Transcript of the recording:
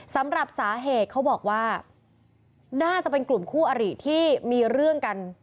สำหรับสาเหตุเขาบอกว่าน่าจะเป็นกลุ่มคู่อริที่มีเรื่องกัน